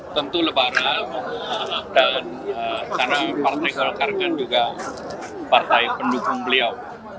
tentu lebaran dan karena partai golkar kan juga partai pendukung beliau